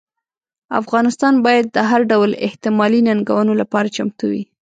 افغانستان باید د هر ډول احتمالي ننګونو لپاره چمتو وي.